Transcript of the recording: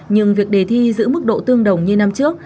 nhưng việc đề thi giữ mức độ tương đồng như năm trước